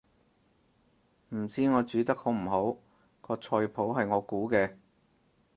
唔知我煮得好唔好，個菜譜係我估嘅